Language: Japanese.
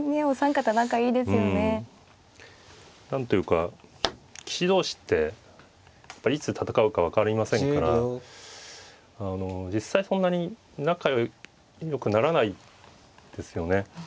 うん。何というか棋士同士ってやっぱりいつ戦うか分かりませんから実際そんなに仲よくならないですよね。